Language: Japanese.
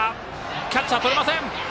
キャッチャーとれません。